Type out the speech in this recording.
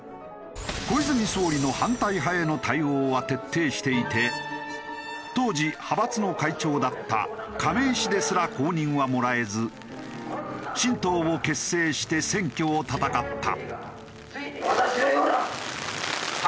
小泉総理の反対派への対応は徹底していて当時派閥の会長だった亀井氏ですら公認はもらえず新党を結成して選挙を戦った。